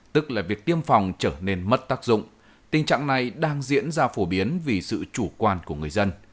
tức là việc tiêm phòng trở nên mất tác dụng tình trạng này đang diễn ra phổ biến vì sự chủ quan của người dân